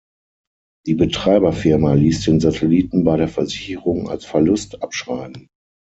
Die Betreiberfirma ließ den Satelliten bei der Versicherung als Verlust abschreiben.